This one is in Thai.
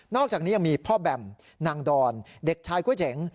อกจากนี้ยังมีพ่อแบมนางดอนเด็กชายก๋วยเจ๋ง